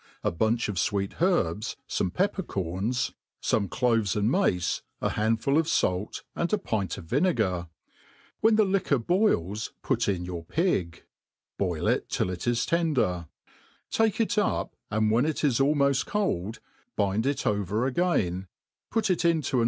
F a bunch 66 THE ART OF COOKERY a bunch of fweet herbt , Yome pepper corns, fooie cloves and mace, a handful of fait, and a pint of vinegar ; when the It quor boils put in your pig ; boilnt till it is tender ^ take it up« and when it is almoft cold, bind /it over again^ put it into an